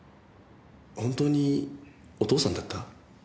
本当にお父さんだった？